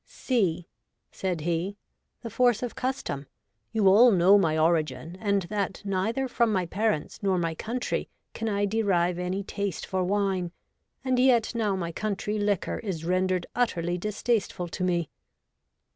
"See," said he, " the force of custom : you all know my origin, and that neither from my parents nor my country can I derive any taste for wine, and yet now my country liquor is rendered utterly distasteful to me."